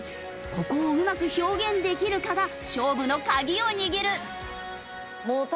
ここをうまく表現できるかが勝負の鍵を握る。